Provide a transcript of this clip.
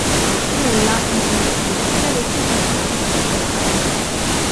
Nulla, intendo dire, che avesse un significato particolare.